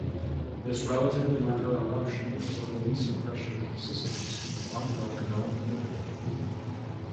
This relatively minor eruption was a release of pressure consistent with ongoing dome building.